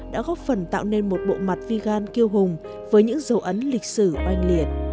đã góp phần tạo nên một bộ mặt vigan kiêu hùng với những dấu ấn lịch sử oanh liệt